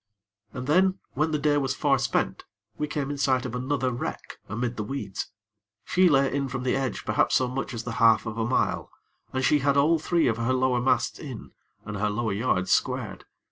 And then, when the day was far spent, we came in sight of another wreck amid the weeds. She lay in from the edge perhaps so much as the half of a mile, and she had all three of her lower masts in, and her lower yards squared.